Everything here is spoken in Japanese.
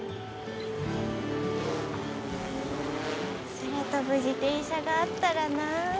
空飛ぶ自転車があったらな。